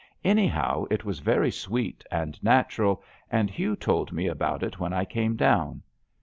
Anyhow, it was very sweet and natural, and Hugh told me about it when I came down.